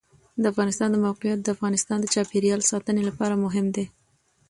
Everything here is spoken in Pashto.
د افغانستان د موقعیت د افغانستان د چاپیریال ساتنې لپاره مهم دي.